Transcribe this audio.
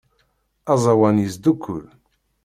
Aẓawan yesdukkul.